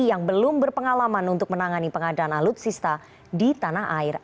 yang belum berpengalaman untuk menangani pengadaan alutsista di tanah air